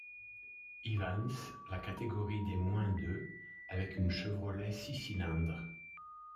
Evans la catégorie des moins de avec une Chevrolet six-cylindres.